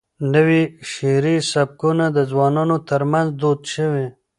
نوي شعري سبکونه د ځوانانو ترمنځ دود شوي.